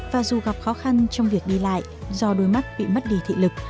và dù gặp khó khăn trong việc đi lại do đôi mắt bị mất đi thị lực